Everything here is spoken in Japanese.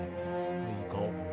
いい顔。